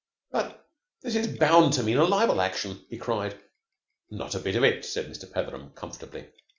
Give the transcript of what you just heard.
"But this is bound to mean a libel action!" he cried. "Not a bit of it," said Mr. Petheram comfortably.